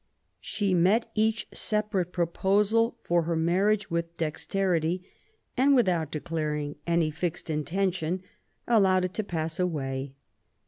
She met each separate proposal for her marriage with dexterity, and, without declaring any fixed intention, allowed it to pass away.